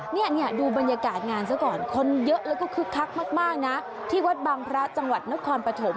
เนี่ยดูบรรยากาศงานซะก่อนคนเยอะแล้วก็คึกคักมากนะที่วัดบางพระจังหวัดนครปฐม